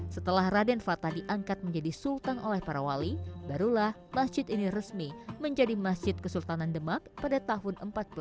setelah raden fata diangkat menjadi sultan oleh para wali barulah masjid ini resmi menjadi masjid kesultanan demak pada tahun seribu empat ratus enam puluh